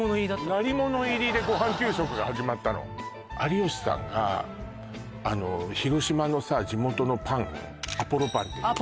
鳴り物入りでご飯給食が始まった有吉さんが広島のさ地元のパンアポロパンっていうさ